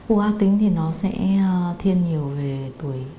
u ác tính thì nó sẽ thiên nhiều về tuổi